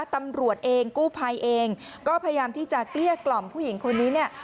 ตำรวจเองกู้ภัยเองก็พยายามที่จะเกลี้ยกล่อมผู้หญิงคนนี้เนี่ย